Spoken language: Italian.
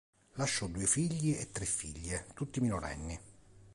Lasciò due figli e tre figlie, tutti minorenni.